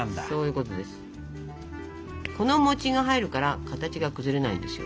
この餅が入るから形が崩れないんですよ。